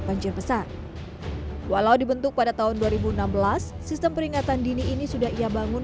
banjir besar walau dibentuk pada tahun dua ribu enam belas sistem peringatan dini ini sudah ia bangun